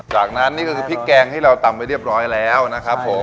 จากนั้นนี่ก็คือพริกแกงที่เราตำไปเรียบร้อยแล้วนะครับผม